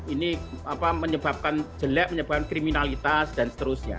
ini ngelarang zebra cross ya ini apa menyebabkan jelek menyebabkan kriminalitas dan seterusnya